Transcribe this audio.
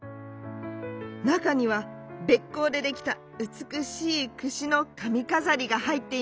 なかにはべっこうでできたうつくしいくしのかみかざりがはいっていました。